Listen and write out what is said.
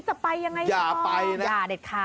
จะไปยังไงฟ้า